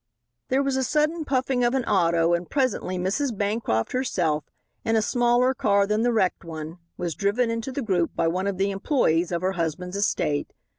There was a sudden puffing of an auto, and presently Mrs. Bancroft herself, in a smaller car than the wrecked one, was driven into the group by one of the employees of her husband's estate.